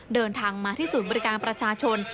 เดินทางมาที่ศูนย์บริการประชาชน